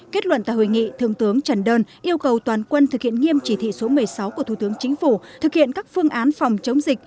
kết luận tại hội nghị thương tướng trần đơn yêu cầu toàn quân thực hiện nghiêm chỉ thị số một mươi sáu của thủ tướng chính phủ thực hiện các phương án phòng chống dịch